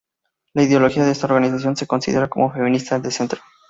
La ideología de esta organización se consideraba como feminista de centro.